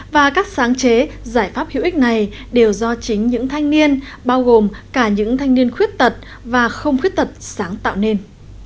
và các sáng chế giải pháp hữu ích này đều do chính những thanh niên bao gồm cả những thanh niên khuyết tật và không khuyết tật sáng tạo nên